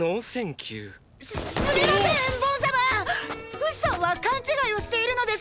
フシさんは勘違いをしているのです！